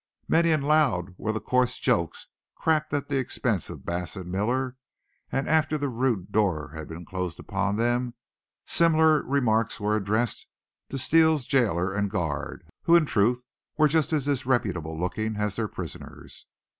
Many and loud were the coarse jokes cracked at the expense of Bass and Miller and after the rude door had closed upon them similar remarks were addressed to Steele's jailer and guard, who in truth, were just as disreputable looking as their prisoners.